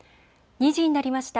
２時になりました。